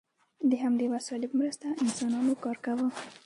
د همدې وسایلو په مرسته انسانانو کار کاوه.